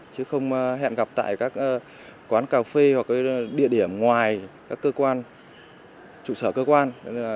chứ không hẹn gặp tại các quán cà phê hoặc địa điểm ngoài các cơ quan trụ sở cơ quan